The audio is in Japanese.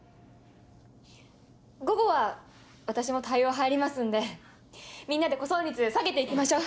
午後は私も対応入りますんでみんなで呼損率下げて行きましょう。